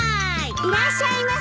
いらっしゃいませ。